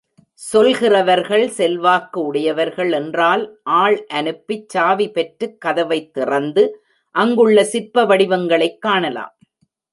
செல்கிறவர்கள் செல்வாக்கு உடையவர்கள் என்றால் ஆள் அனுப்பிச் சாவி பெற்றுக் கதவைத் திறந்து அங்குள்ள சிற்ப வடிவங்களைக் காணலாம்.